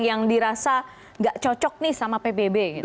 yang dirasa tidak cocok nih sama pbb